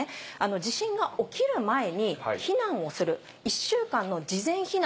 地震が起きる前に避難をする「一週間の事前避難」